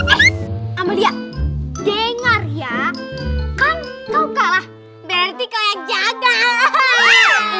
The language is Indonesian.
eh amalia dengar ya kan kau kalah berarti kau yang jaga